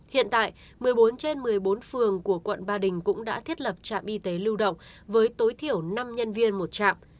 hiện tại một mươi bốn trên một mươi bốn phường của quận ba đình cũng đã thiết lập trạm y tế lưu động với tối thiểu năm nhân viên một trạm